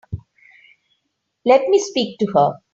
Let me speak to her.